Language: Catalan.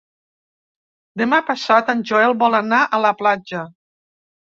Demà passat en Joel vol anar a la platja.